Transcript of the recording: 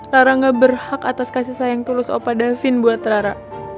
rara gak berhak atas kasih sayang tulus opa daphine buat rara